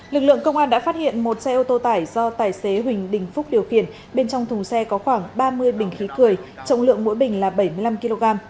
lực lượng công an đã phát hiện một xe ô tô tải do tài xế huỳnh đình phúc điều khiển bên trong thùng xe có khoảng ba mươi bình khí cười trọng lượng mỗi bình là bảy mươi năm kg